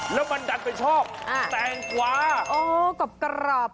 แล้วมันดันไปชอบแตงกวาอ๋อกรอบ